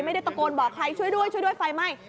ไม่ได้ตะโกนบอกใครช่วยด้วยไฟไหม้